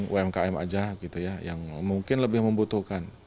umkm saja yang mungkin lebih membutuhkan